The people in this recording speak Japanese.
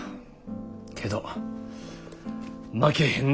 けど負けへんで。